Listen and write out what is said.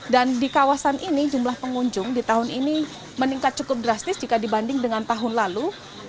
dan di kawasan ini jumlah pengunjung di tahun ini meningkat cukup drastis jika dibanding dengan tahun lalu